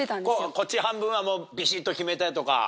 こっち半分はビシっと決めてとか。